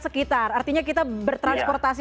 sekitar artinya kita bertransportasi